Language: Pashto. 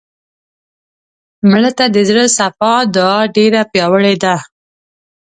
مړه ته د زړه صفا دعا ډېره پیاوړې ده